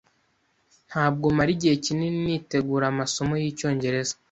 Ntabwo mara igihe kinini nitegura amasomo yicyongereza.